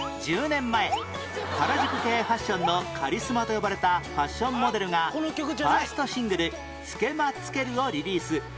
１０年前原宿系ファッションのカリスマと呼ばれたファッションモデルがファーストシングル『つけまつける』をリリース